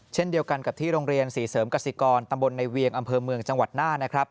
เช่นเดียวกันกับที่โรงเรียนศรีเสริมกสิกรตำบลในเวียงอำเภอเมืองจังหวัดน่านนะครับ